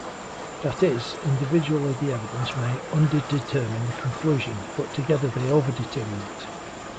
That is, individually the evidence may underdetermine the conclusion, but together they overdetermine it.